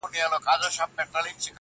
دا د پېړیو مزل مه ورانوی؛